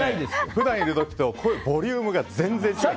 普段いる時と声、ボリュームが全然違います。